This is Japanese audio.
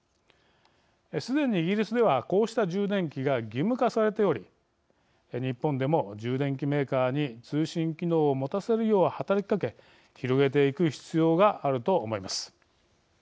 すでにイギリスではこうした充電器が義務化されており日本でも充電器メーカーに通信機能を持たせるよう働きかけ広げていく必要があると思います。